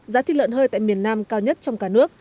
giá thịt lợn hơi tại miền nam cao nhất trong cả nước